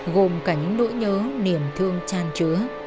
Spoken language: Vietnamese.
gồm cả những nỗi nhớ niềm thương trang trứa